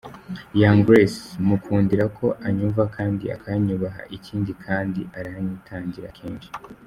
Young Grace : Mukundira ko anyumva kandi akanyubaha, ikindi kandi aranyitangira kenshi.